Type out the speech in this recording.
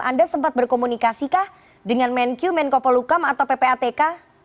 anda sempat berkomunikasi kah dengan menkyu menkopolukam atau ppatk